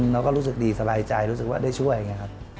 เราก็รู้สึกดีสบายใจรู้สึกว่าได้ช่วย